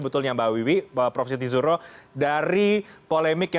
terima kasih pak wellicle